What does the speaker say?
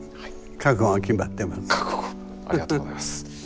覚悟ありがとうございます。